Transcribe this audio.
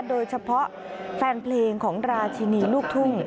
โดยเฉพาะแฟนเพลงของราชินีลูกทุ่ง